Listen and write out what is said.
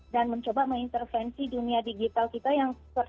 dan mencoba mengintervensi dunia digital kita yang